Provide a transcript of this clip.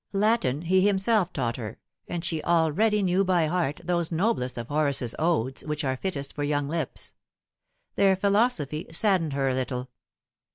Latin he himself taught her, and she already knew by heart those noblest of Horace's odes which are fittest for young lips. Their philosophy saddened her a little.